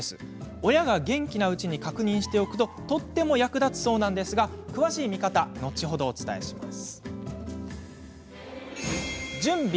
親が元気なうちに確認しておくととっても役立つそうなんですが詳しい見方は後ほどお伝えします。